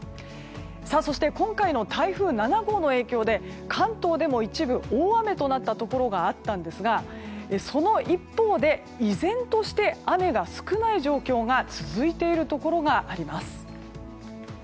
そして今回の台風７号の影響で関東でも一部大雨となったところもあったんですがその一方で依然として雨が少ない状況が続いているところがあります。